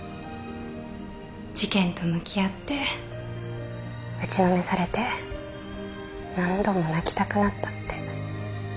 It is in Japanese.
事件と向き合って打ちのめされて何度も泣きたくなったって。